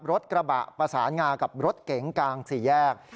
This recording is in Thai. รถกระบะประสานงากับรถเก๋งกลางสี่แยก